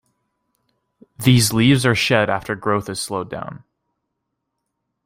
These leaves are shed after growth has slowed down.